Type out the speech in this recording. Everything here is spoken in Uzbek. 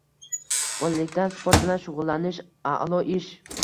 Bolalikdan sport bilan shug‘ullanish – aʼlo ish.